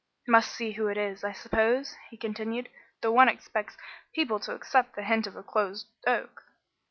"Must see who it is, I suppose," he continued, "though one expects people to accept the hint of a closed oak."